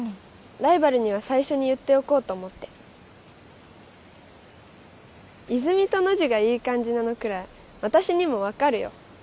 ライバルには最初に言っておこうと思って泉とノジがいい感じなのくらい私にも分かるよ